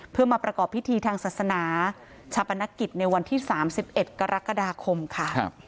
เพื่อมาประกอบพิธีทางศาสนาชาปนกิจในวันที่๓๑กรกฎาคมค่ะ